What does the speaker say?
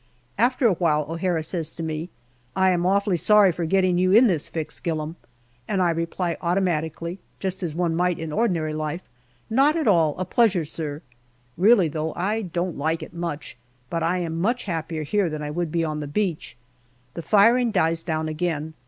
After a while O'Hara says to me, " I am awfully sorry for getting you in this fix, Gillam," and I reply automatically, just as one might in ordinary life, " Not at all ; a pleasure, sir." Really though, I don't like it much, but I am much happier here than I would be on the beach. The firing dies down again.